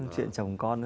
chuyện chồng con nữa